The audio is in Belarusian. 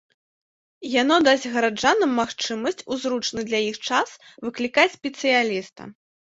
Яно дасць гараджанам магчымасць у зручны для іх час выклікаць спецыяліста.